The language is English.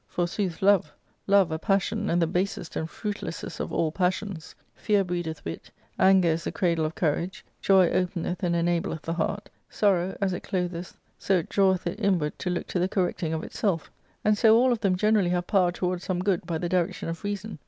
Forsooth Jove";" love, a passion, and the basest ^, and fruitlesse^t oLalLpassTons. Fear breedeth wit ; anger is ' the cradle of courage ; joy openeth and enableth the heart ;' sorrow, as it closeth, so it draweth it inward to look to the ^^ correcting of itself ; and so all of them generally have power towards some good by the direction of reason.